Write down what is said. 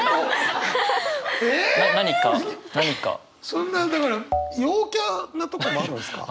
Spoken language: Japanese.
そんなだから陽キャなとこもあるんですか？